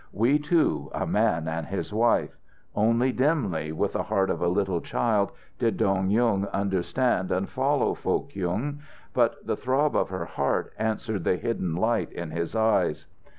"We two, a man and his wife" only dimly, with the heart of a little child, did Dong Yung understand and follow Foh Kyung; but the throb of her heart answered the hidden light in his eyes.